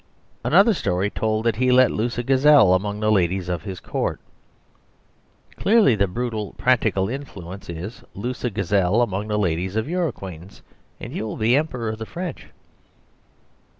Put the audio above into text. Another story told that he let loose a gazelle among the ladies of his Court. Clearly the brutal practical inference is loose a gazelle among the ladies of your acquaintance, and you will be Emperor of the French.